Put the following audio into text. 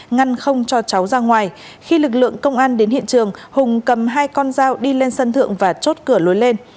ngăn không cho cháu ra ngoài khi lực lượng công an đến hiện trường hùng cầm hai con dao đi lên sân thượng và chốt cửa lối lên